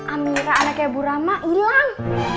amira anaknya bu rama hilang